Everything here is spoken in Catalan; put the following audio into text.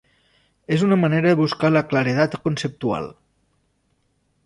És una manera de buscar la claredat conceptual.